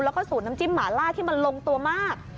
แล้วก็สูตรน้ำจิ้มหมาล่าที่มันลงตัวมาก